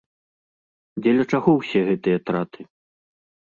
Дзеля чаго ўсе гэтыя траты?